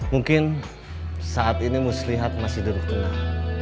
mungkin saat ini muslihat masih dari tengah